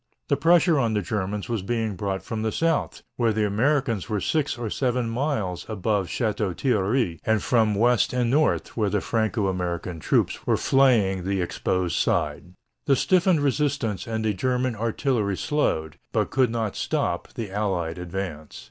The pressure on the Germans was being brought from the south, where the Americans were six or seven miles above Château Thierry, and from the west and north, where the Franco American troops were flaying the exposed side. The stiffened resistance and the German artillery slowed, but could not stop, the Allied advance.